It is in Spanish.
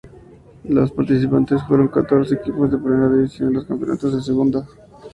Los participantes fueron catorce equipos de Primera División y los dos campeones de Segunda.